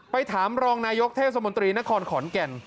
ไปถามรองนายกเทพสมบันดีนครขอนแก่น